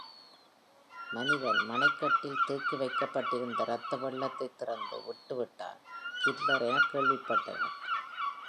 மனிதன் மணைக்கட்டில் தேக்கி வைக்கப்பட்டிருந்த ரத்த வெள்ளத்தை திறந்து விடட்டுவிட்டான் ஹிட்லர் எனக் கேள்விப்பட்டனர்.